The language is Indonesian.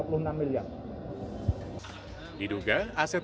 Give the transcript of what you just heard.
diduga aset yang dibeli kisaran busnya yang diberikan oleh asabri